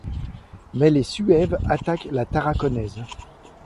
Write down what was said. Mais les Suèves attaquent la Tarraconaise.